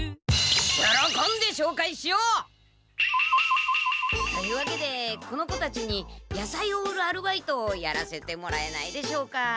よろこんでしょうかいしよう！というわけでこの子たちにやさいを売るアルバイトをやらせてもらえないでしょうか？